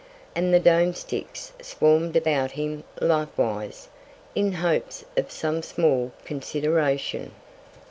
And the Domesticks swarm'd about him likewise, in Hopes of some small Consideration.